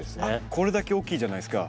これだけ大きいじゃないですか。